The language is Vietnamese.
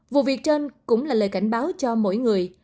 vụ việc trên cũng là lời cảnh báo cho mỗi người